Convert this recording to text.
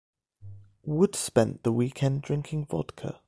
Wood spent the weekend drinking vodka.